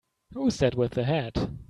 Who's that with the hat?